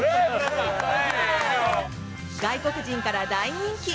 外国人から大人気。